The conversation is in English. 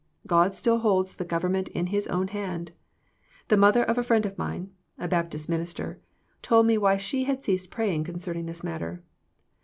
God still holds the government in His own hand. The mother of a friend of mine, a Baptist minister, told me why she had ceased praying concerning this matter.